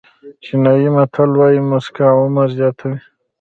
چینایي متل وایي موسکا عمر زیاتوي.